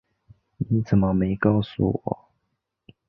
你怎么没告诉我